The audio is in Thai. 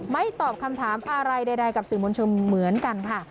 ตอบคำถามอะไรใดกับสื่อมวลชนเหมือนกันค่ะ